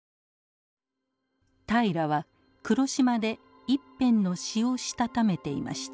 平良は黒島で一編の詩をしたためていました。